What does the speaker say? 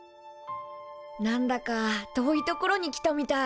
なんだか遠い所に来たみたい。